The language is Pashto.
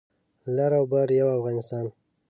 لر او بر یو افغانستان